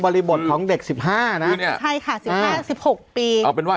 ริบทของเด็กสิบห้านะเนี่ยใช่ค่ะสิบห้าสิบหกปีเอาเป็นว่า